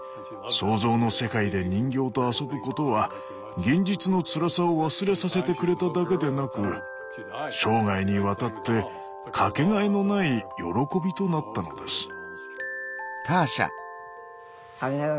想像の世界で人形と遊ぶことは現実のつらさを忘れさせてくれただけでなく生涯にわたって掛けがえのない喜びとなったのです。